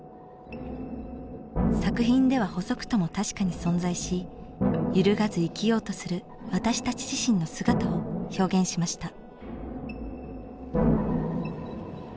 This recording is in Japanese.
作品では細くとも確かに存在し揺るがず生きようとする私たち自身の姿を表現しました。